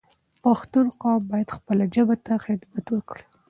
پښتون قوم باید خپله ژبه ته خدمت وکړی